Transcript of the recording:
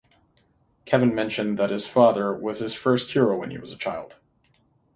Kevin mentioned that his father was his first hero when he was a child.